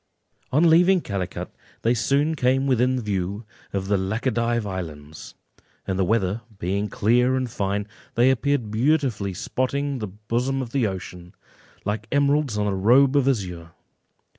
On leaving Calicut, they soon came within view of the Laccadive Islands, and the weather being clear and fine, they appeared beautifully spotting the bosom of the ocean, like emeralds on a robe of azure.